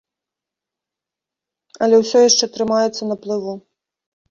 Але ўсё яшчэ трымаецца на плыву.